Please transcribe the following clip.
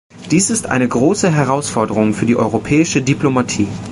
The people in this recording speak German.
Dies ist eine große Herausforderung für die europäische Diplomatie.